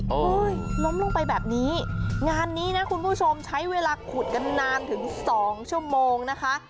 ล้มลงไปแบบนี้งานนี้นะคุณผู้ชมใช้เวลาขุดกันนานถึงสองชั่วโมงนะคะ